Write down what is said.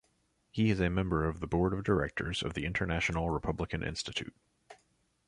He is a member of the board of directors of the International Republican Institute.